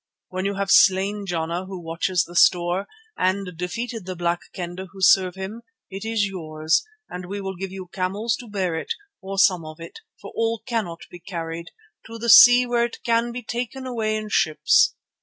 When you have slain Jana who watches the store, and defeated the Black Kendah who serve him, it is yours and we will give you camels to bear it, or some of it, for all cannot be carried, to the sea where it can be taken away in ships.